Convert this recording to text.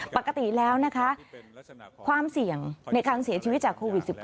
ปกติแล้วนะคะความเสี่ยงในการเสียชีวิตจากโควิด๑๙